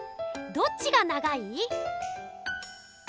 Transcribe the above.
どっちが長い？